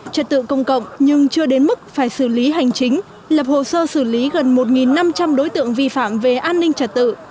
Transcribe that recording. trật tự công cộng nhưng chưa đến mức phải xử lý hành chính lập hồ sơ xử lý gần một năm trăm linh đối tượng vi phạm về an ninh trật tự